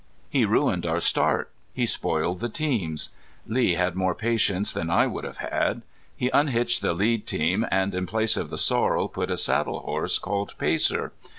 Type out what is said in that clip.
He ruined our start. He spoiled the teams. Lee had more patience than I would have had. He unhitched the lead team and in place of the sorrel put a saddle horse called Pacer.